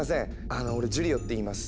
あの俺ジュリオっていいます。